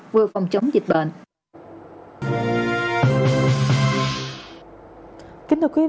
vừa phòng chống dịch bệnh